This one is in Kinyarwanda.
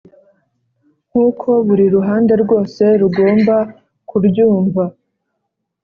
nkuko buri ruhande rwose tugomba kuryumva